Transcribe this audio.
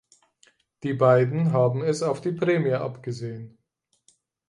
Die beiden haben es auf die Prämie abgesehen.